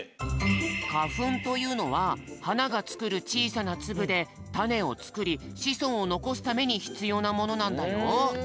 かふんというのははながつくるちいさなつぶでたねをつくりしそんをのこすためにひつようなものなんだよ。